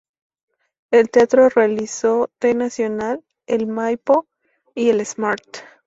En teatro realizó T. Nacional, el Maipo y el Smart.